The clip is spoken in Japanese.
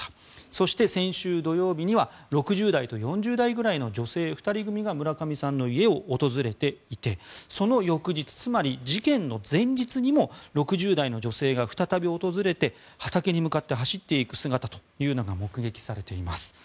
そして、先週土曜日には６０代と４０代ぐらいの女性２人組が村上さんの家を訪れていてその翌日、つまり事件の前日にも６０代の女性が再び訪れて、畑に向かって走っていく姿というのが目撃されています。